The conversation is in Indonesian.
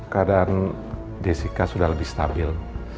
keadaan jessica sudah lebih stabil